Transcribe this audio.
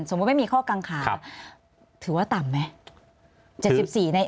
ไม่มีข้อกังขาถือว่าต่ำไหม